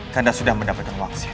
kanda sudah mendapatkan wangsir